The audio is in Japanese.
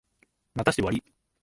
待たせてわりい。